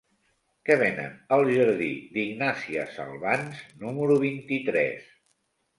Què venen al jardí d'Ignàsia Salvans número vint-i-tres?